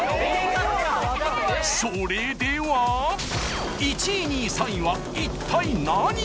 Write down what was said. それでは１位２位３位は一体何？